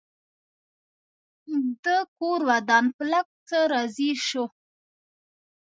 ده کور ودان په لږ څه راضي شو.